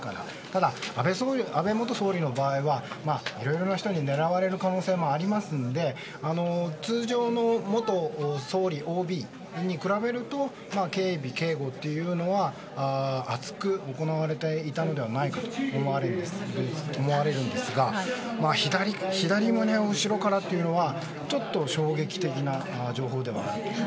ただ安倍元総理の場合はいろいろな人に狙われる可能性もありますので通常の元総理ＯＢに比べると警備、警護は厚く行われていたのではないかと思われるんですが左胸を後ろからというのはちょっと衝撃的な情報ではあると思います。